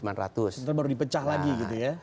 nanti baru di pecah lagi gitu ya